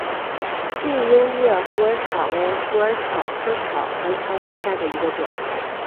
近优越虎耳草为虎耳草科虎耳草属下的一个种。